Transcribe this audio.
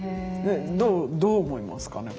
どう思いますかね？